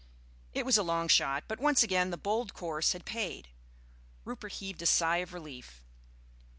It was a long shot, but once again the bold course had paid. Rupert heaved a sigh of relief.